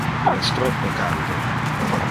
Il es troppo calde.